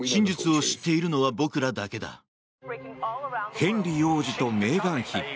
ヘンリー王子とメーガン妃。